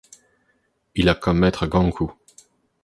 Il a comme maître Ganku.